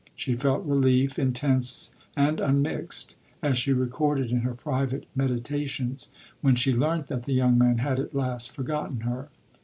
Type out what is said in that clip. She felt relief, intense and unmixed, as she recorded in her private meditations, when she learnt that the young man had at last forgotten her.